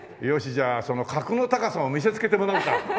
じゃあその格の高さを見せつけてもらおうか。